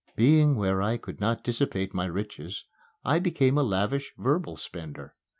Being where I could not dissipate my riches, I became a lavish verbal spender.